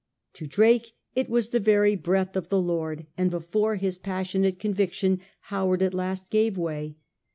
To Drake it was the very breath of the Lord, and before his passionate conviction Howard at last gave way.